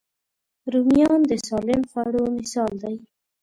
رومیان د سالم خوړو مثال دی